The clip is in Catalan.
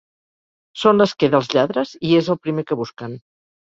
Són l'esquer dels lladres i es el primer que busquen.